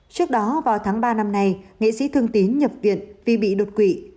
trước đó vào tháng ba năm nay nghệ sĩ thương tín nhập viện vì bị đột quỵ